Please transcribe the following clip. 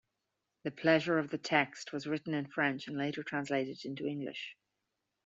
"The Pleasure of the Text" was written in French and later translated into English.